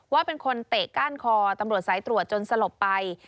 ว่าเป็นคนเตะก้านคอตำรวจสายตรวจจนสลบไป